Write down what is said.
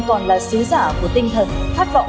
còn là sứ giả của tinh thần khát vọng